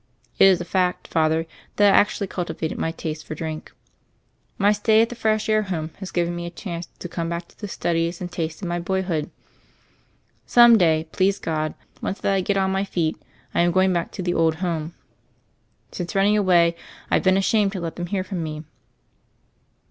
It is a fact, Father, that I actually cultivated my taste for drink. My stay at the fresh air home has given me a chance to come back to the studies and tastes of my boyhood. Some day, please God, once that I get on my feet, I'm going back to the aid home. Since running away, I've been ashamed to let them hear from me."